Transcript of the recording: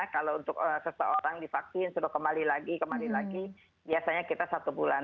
kalau untuk seseorang divaksin sudah kembali lagi kembali lagi biasanya kita satu bulan